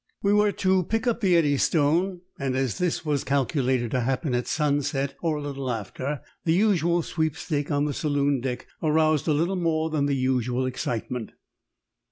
We were to pick up the Eddystone; and as this was calculated to happen at sunset, or a little after, the usual sweepstake on the saloon deck aroused a little more than the usual excitement.